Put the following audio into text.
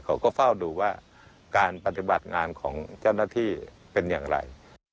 เขาก็เฝ้าดูว่าการปฏิบัติงานของเจ้าหน้าที่เป็นอย่างไร